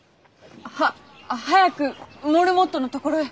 は早くモルモットのところへ。